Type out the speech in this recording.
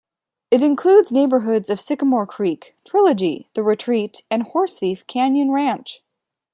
It includes the neighborhoods of Sycamore Creek, Trilogy, The Retreat and Horsethief Canyon Ranch.